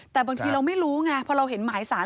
แต่บางทีเราไม่รู้ไงพอเราเห็นหมายสาร